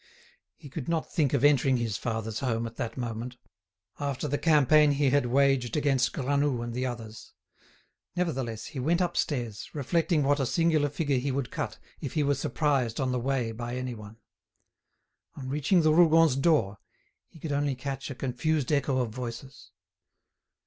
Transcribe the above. He could not think of entering his father's home at that moment, after the campaign he had waged against Granoux and the others. Nevertheless, he went upstairs, reflecting what a singular figure he would cut if he were surprised on the way by anyone. On reaching the Rougons' door, he could only catch a confused echo of voices.